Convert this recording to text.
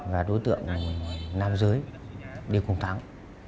và đối tượng người nam dưới đi cùng thắng